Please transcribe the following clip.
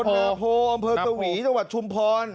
นับพอร์โฮอำเภอเกาหวีจังหวัดชุมพร